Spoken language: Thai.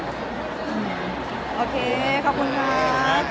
อืมโอเคขอบคุณมาก